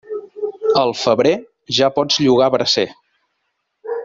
Al febrer, ja pots llogar bracer.